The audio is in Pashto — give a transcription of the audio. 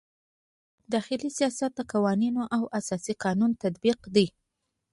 داخلي سیاست د قوانینو او اساسي قانون تطبیق دی.